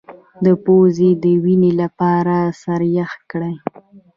د پوزې د وینې لپاره سر یخ کړئ